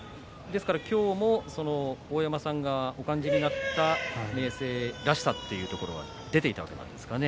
今日も大山さんがお感じになった明生らしさというところが出ていたわけですかね。